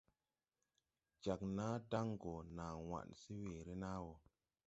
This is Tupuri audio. Jag nàa daŋ gɔ na waɗ ne weere nàa wɔ.